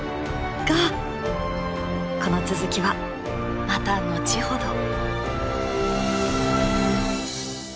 がこの続きはまた後ほど！